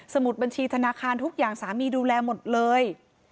มุดบัญชีธนาคารทุกอย่างสามีดูแลหมดเลย